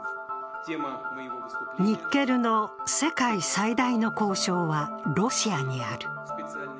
ニッケルの世界最大の鉱床はロシアにある。